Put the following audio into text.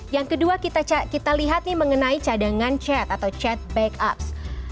yang kedua kita lihat nih mengenai cadangan chat atau chat backups